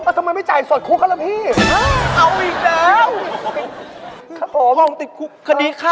เพราะผมต้องติดคุก